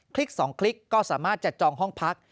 ลิก๒คลิกก็สามารถจัดจองห้องพัก